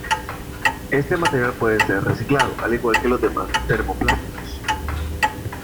Este material puede ser reciclado, al igual que los demás termoplásticos.